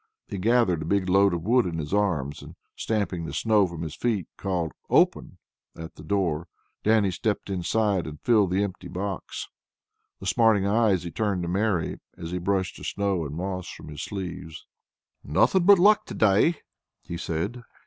He gathered a big load of wood in his arms, and stamping the snow from his feet, called "Open!" at the door. Dannie stepped inside and filled the empty box. With smiling eyes he turned to Mary, as he brushed the snow and moss from his sleeves. "Nothing but luck to day," he said.